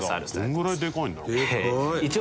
どのぐらいでかいんだろう？